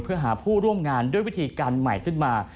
เพื่อหาผู้ร่วมงานด้วยวิธีการใหม่ขึ้นมา